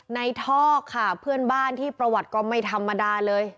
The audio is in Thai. ในท่อค่ะเพื่อนบ้านที่ประวัติก็ไม่ธรรมดาเลย